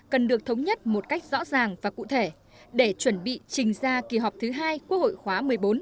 cần được thống nhất một cách rõ ràng và cụ thể để chuẩn bị trình ra kỳ họp thứ hai quốc hội khóa một mươi bốn